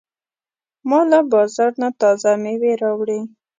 ما له بازار نه تازه مېوې راوړې.